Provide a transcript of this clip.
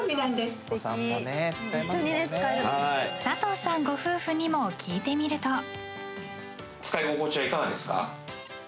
［佐藤さんご夫婦にも聞いてみると］